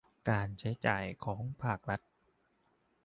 การใช้จ่ายของภาครัฐ